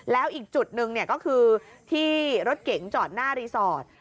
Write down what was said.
แล้วอีกจุดหนึ่งก็คือที่รถเก๋งจอดหน้ารีสอร์ท